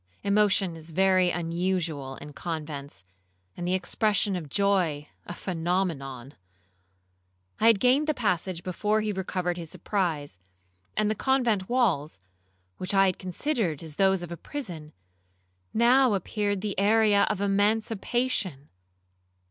Emotion is very unusual in convents, and the expression of joy a phenomenon. I had gained the passage before he recovered his surprise; and the convent walls, which I had considered as those of a prison, now appeared the area of emancipation.